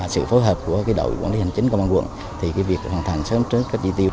sự phối hợp của đội quản lý hành chính công an quận thì việc hoàn thành sớm trước các chi tiêu